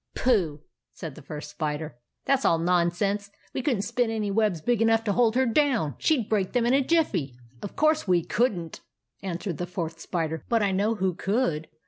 " Pooh !" said the First Spider. " That 's all nonsense. We could n't spin any webs big enough to hold her down. She 'd break them in a jiffy." GREY RAT UNDER THE PUMP 105 " Of course we could n't," answered the Fourth Spider ;" but I know who could."